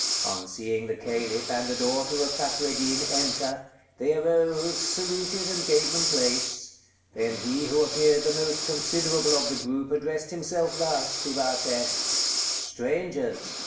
On seeing the Caliph and the daughter of Fakreddin enter, they arose, saluted and gave them place; then he who appeared the most considerable of the group addressed himself thus to Vathek: "Strangers!